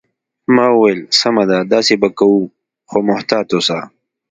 ما وویل: سمه ده، داسې به کوو، خو محتاط اوسه.